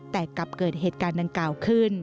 แต่กลับเกิดเหตุการณ์ดังกล่าวขึ้น